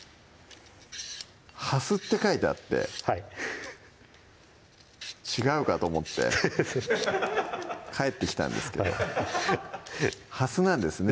「はす」って書いてあってはいフフフ違うかと思って帰ってきたんですけどはすなんですね